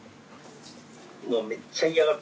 もうめっちゃ嫌がる。